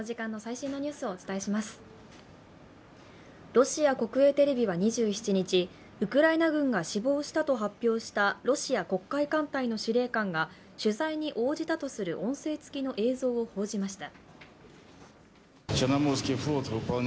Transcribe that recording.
ロシア国営テレビは２７日ウクライナ軍が死亡したと発表したロシア黒海艦隊の司令官が取材に応じたとする音声付きの映像を報じました。